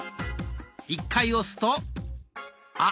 １回押すと「あ」。